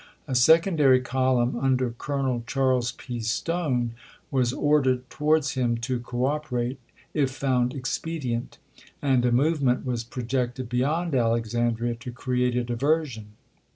A secondary column, under Colonel Charles P. Stone, was ordered towards him to co operate, if found expedient ; and a movement was projected beyond Alexandria to create a diver sion.